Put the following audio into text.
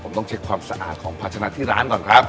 ผมต้องเช็คความสะอาดของภาชนะที่ร้านก่อนครับ